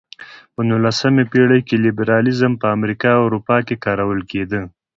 په نولسمه پېړۍ کې لېبرالیزم په امریکا او اروپا کې کارول کېده.